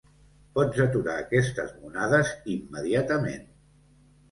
Pots aturar aquestes monades immediatament!